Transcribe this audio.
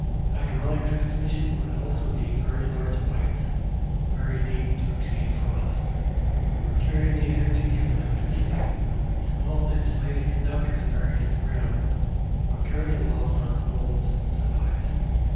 Hydraulic transmission would also need very large pipes, buried deep to escape frost. For carrying the energy as electricity, small insulated conductors buried in the ground, or carried aloft on poles suffice.